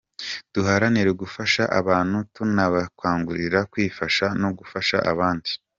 Duharanira gufasha abantu tunabakangurira kwifasha no gufasha abandi.